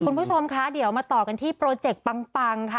คุณผู้ชมคะเดี๋ยวมาต่อกันที่โปรเจกต์ปังค่ะ